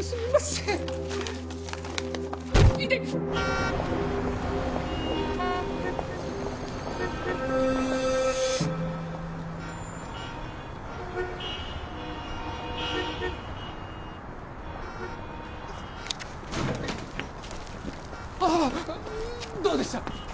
すみませんイテッああどうでした？